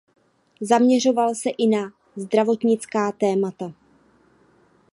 Zaměřoval se i na zdravotnická témata.